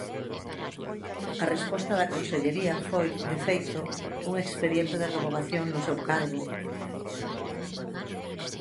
A resposta da Consellaría foi, de feito, un expediente de revogación no seu cargo.